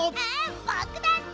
ぼくだって！